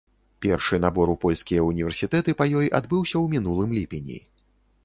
Першы набор у польскія ўніверсітэты па ёй адбыўся ў мінулым ліпені.